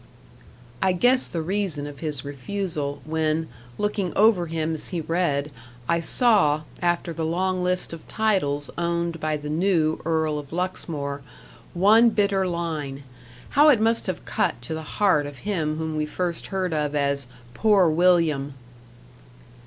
I guessed the reason of his refusal; when, looking over him as he read, I saw, after the long list of titles owned by the new Earl of Luxmore, one bitter line; how it must have cut to the heart of him whom we first heard of as "poor William!"